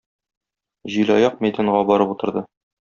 Җилаяк мәйданга барып утырды.